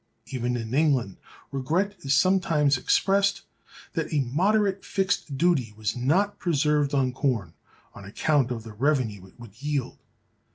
Even in England regret is sometimes expressed that a "moderate fixed duty" was not preserved on corn, on account of the revenue it would yield.